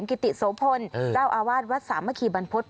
กิติโสพลเจ้าอาวาสวรรค์วัสสามะขีบันพจิ